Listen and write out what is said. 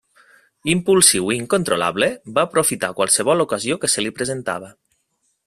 Impulsiu i incontrolable, va aprofitar qualsevol ocasió que se li presentava.